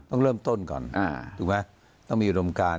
ต้องเริ่มต้นก่อนถูกไหมต้องมีอุดมการ